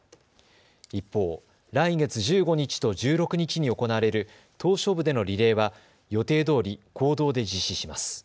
一方、来月１５日と１６日に行われる島しょ部でのリレーは予定どおり、公道で実施します。